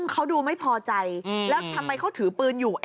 เขาดูไม่พอใจแล้วทำไมเขาถือปืนอยู่